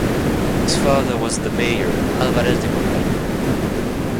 His father was the Mayor Álvarez de Condarco.